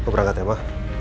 berangkat ya ma